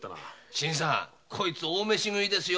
新さんこいつ大飯食いですよ。